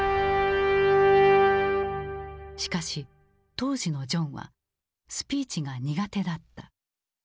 しかし当時のジョンはスピーチが苦手だった。